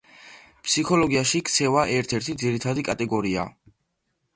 ფსიქოლოგიაში ქცევა ერთ-ერთი ძირითადი კატეგორიაა.